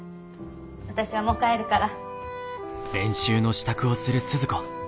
私はもう帰るから。